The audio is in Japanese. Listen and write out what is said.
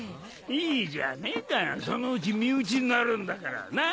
いいじゃねえかそのうち身内になるんだからなっ？